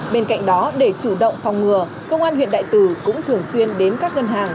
bên cạnh đó để chủ động phòng ngừa công an huyện đại từ cũng thường xuyên đến các ngân hàng